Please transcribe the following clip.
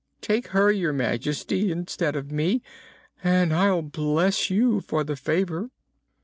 Take her, Your Majesty, instead of me, and I'll bless you for the favor."